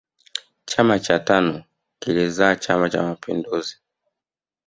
chama cha tanu kilizaa chama cha mapinduzi